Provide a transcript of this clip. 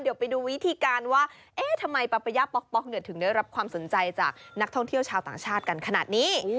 เดี๋ยวไปดูวิธีการว่าเอ๊ะทำไมปาปะย่าป๊อกถึงได้รับความสนใจจากนักท่องเที่ยวชาวต่างชาติกันขนาดนี้